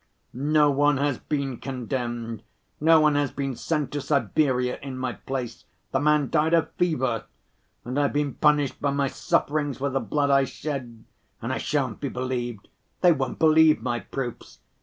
No one has been condemned, no one has been sent to Siberia in my place, the man died of fever. And I've been punished by my sufferings for the blood I shed. And I shan't be believed, they won't believe my proofs.